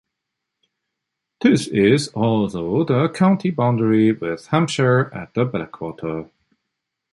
This is also the county boundary with Hampshire at Blackwater.